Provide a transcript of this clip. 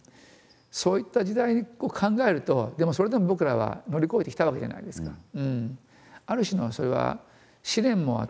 そういった時代を考えるとでもそれでも僕らは乗り越えてきたわけじゃないですか。